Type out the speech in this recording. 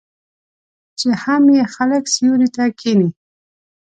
چې هم یې خلک سیوري ته کښیني.